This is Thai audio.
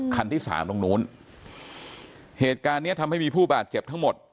คันที่สามตรงนู้นเหตุการณ์เนี้ยทำให้มีผู้บาดเจ็บทั้งหมด